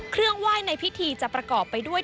เครื่องไหว้ในพิธีจะประกอบไปด้วย